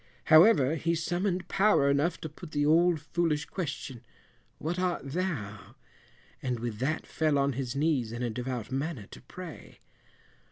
However, he summoned power enough to put the old foolish question, "what art thou?" and with that fell on his knees in a devout manner to pray.